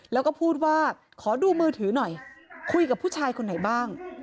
แล้วก็พูดว่าขอดูมือถือหน่อยคุยกับผู้ชายคนไหนบ้าง